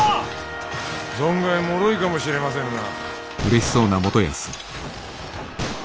存外もろいかもしれませぬな。